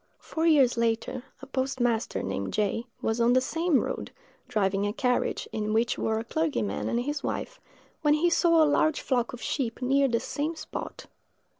Four years later, a postmaster, named J——, was on the same road, driving a carriage, in which were a clergyman and his wife, when he saw a large flock of sheep near the same spot.